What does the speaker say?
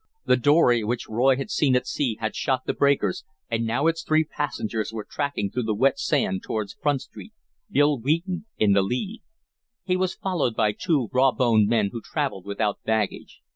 The dory which Roy had seen at sea had shot the breakers, and now its three passengers were tracking through the wet sand towards Front Street, Bill Wheaton in the lead. He was followed by two rawboned men who travelled without baggage.